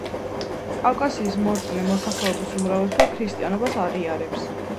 კავკასიის მორწმუნე მოსახლეობის უმრავლესობა ქრისტიანობას აღიარებს.